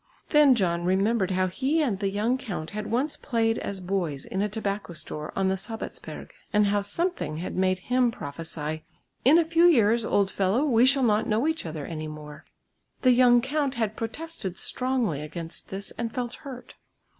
Then John remembered how he and the young count had once played as boys in a tobacco store on the Sabbatsberg, and how something had made him prophesy, "In a few years, old fellow, we shall not know each other any more." The young count had protested strongly against this and felt hurt.